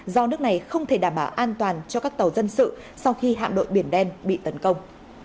do nước này không thể đảm bảo an toàn cho các tàu dân sự sau khi hạm đội biển đen bị tấn công